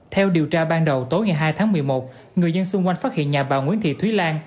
theo điều tra ban đầu tối ngày hai tháng một mươi một người dân xung quanh phát hiện nhà bà nguyễn thị thúy lan